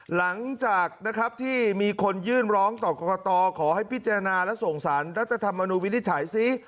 หลังจากนะครับที่มีคนยื่นร้องต่อกรกตขอให้พิจารณาและส่งสารรัฐธรรมนุนวินิจฉัยซิ